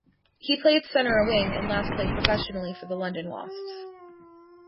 He played centre or wing and last played professionally for London Wasps.